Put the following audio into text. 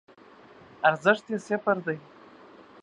ارزښت یی صفر دی